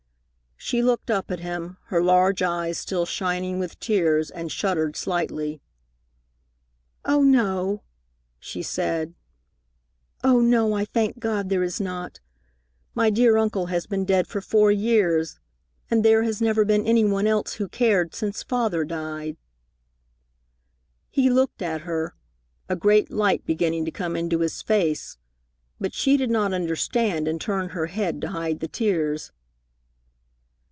She looked up at him, her large eyes still shining with tears, and shuddered slightly. "Oh, no!" she said. "Oh, no, I thank God there is not! My dear uncle has been dead for four years, and there has never been any one else who cared since Father died." He looked at her, a great light beginning to come into his face; but she did not understand and turned her head to hide the tears.